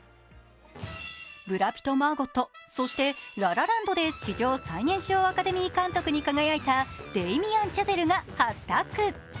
ブラピとマーゴット、そして「ラ・ラ・ランド」で史上最年少アカデミー監督に輝いたデイミアン・チャゼルが初タッグ。